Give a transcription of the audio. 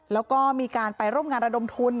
แล้วก็มีการไปร่วมงานระดมทุน